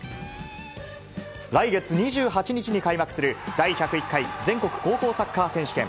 来月２８日に開幕する、第１０１回全国高校サッカー選手権。